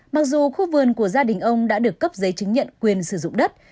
mặc dù khu vườn của gia đình ông đã được cấp giấy chứng nhận quyền sử dụng đất